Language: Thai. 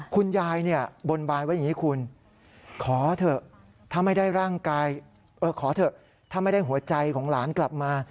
คุณยายบนบานไว้อย่างนี้คุณขอเถอะถ้าไม่ได้หัวใจของหลานกลับมา